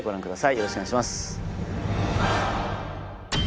よろしくお願いします。